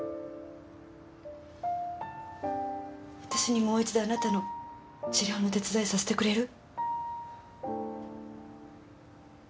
私にもう一度あなたの治療の手伝いさせてくれる？